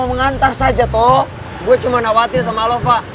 nona mau mengantar saja toh gue cuma gak khawatir sama lo pak